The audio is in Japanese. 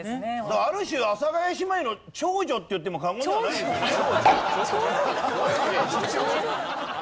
だからある種阿佐ヶ谷姉妹の長女って言っても過言ではないですよね？